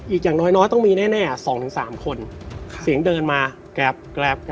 อีกอย่างน้อยต้องมีแน่๒๓คน